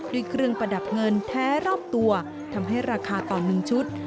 ด้วยเครื่องประดับเงินแท้รอบตัวทำให้ราคาต่อ๑ชุด